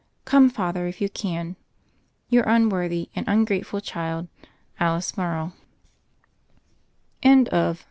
Come, Father, if you can. "Your imworthy and ungrateful child, "Alice Morrow.''